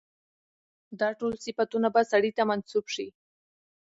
دا ټول صفتونه به سړي ته منسوب شي.